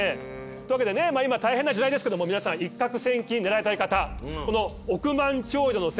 というわけでね今大変な時代ですけども皆さん一獲千金狙いたい方この億万長者の線。